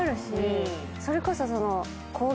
それこそ。